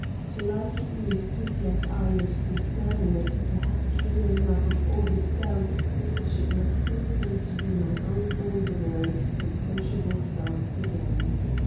Till I could meet Sinclair's eye and discern in it the happy clearing up of all his doubts, I should not feel free to be my own ordinary and sociable self again.